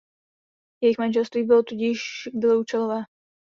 Jejich manželství bylo tudíž bylo účelové.